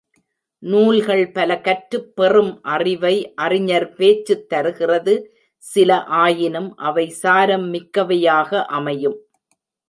நூல்கள் பல கற்றுப் பெறும் அறிவை, அறிஞர் பேச்சுத் தருகிறது சில ஆயினும் அவை சாரம் மிக்கவையாக அமையும்.